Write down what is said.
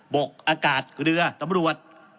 กอากาศเรือตำรวจ